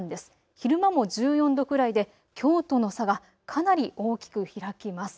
昼間も１４度くらいできょうとの差がかなり大きく開きます。